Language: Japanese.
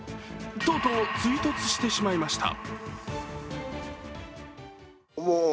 とうとう追突してしまいました。